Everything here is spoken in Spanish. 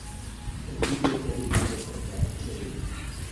El vídeo fue dirigido por Ray Kay.